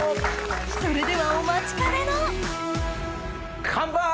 それではお待ちかねのカンパイ！